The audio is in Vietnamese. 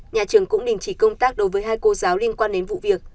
nhà trường cũng đình chỉ công tác đối với hai cô giáo liên quan đến vụ việc